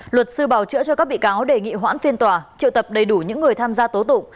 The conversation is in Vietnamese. luật sư bảo chữa cho các bị cáo đề nghị hoãn phiên tòa triệu tập đầy đủ những người tham gia tố tụng